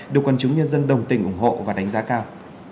được quân chúng nhân dân đồng tình ủng hộ và đánh giá cao